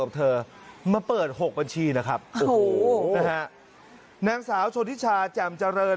เธอมาเปิด๖บัญชีนะครับโอ้โหนะฮะนางสาวชนทิชาแจ่มเจริญ